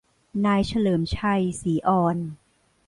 นายเฉลิมชัย ศรีอ่อน